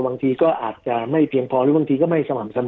บางทีก็อาจจะไม่เพียงพอหรือบางทีก็ไม่สม่ำเสมอ